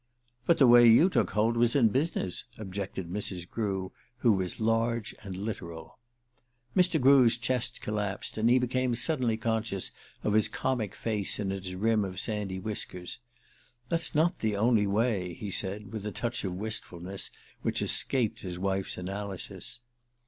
"But the way you took hold was in business," objected Mrs. Grew, who was large and literal. Mr. Grew's chest collapsed, and he became suddenly conscious of his comic face in its rim of sandy whiskers. "That's not the only way," he said, with a touch of wistfulness which escaped his wife's analysis.